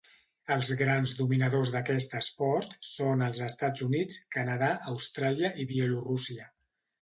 Els grans dominadors d'aquest esport són els Estats Units, Canadà, Austràlia i Bielorússia.